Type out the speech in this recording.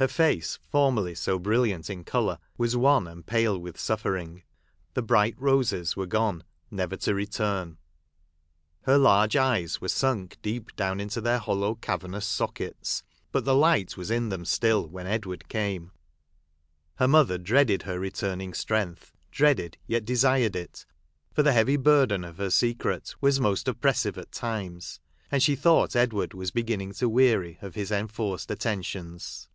Her face, formerly so brilliant in colour, was wan and pale with suffering : the bright roses were gone, never to return. Her large eyes were 206 HOUSEHOLD WORDS. < Conducted by sunk deep down in their hollow, cavernous sockets ; but the light was in them still, when Edward came. Her mother dreaded her returning strength — dreaded, yet desired it ; for the heavy burden of her secret was most oppressive at times, and she thought Edward was beginning to weary of his enforced attentions.